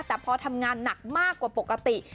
แต่พอทำงานหนักมากกว่าปกติ